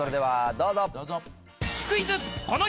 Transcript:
どうぞ。